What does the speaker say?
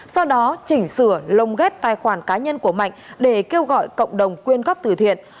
sau đó chỉnh sửa lồng ghép tài khoản cá nhân của mạnh để kêu gọi cộng đồng quyên góp từ thiện